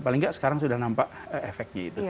paling nggak sekarang sudah nampak efeknya itu